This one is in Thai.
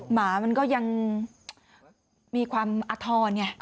หมามันก็ยังมีความอทรไง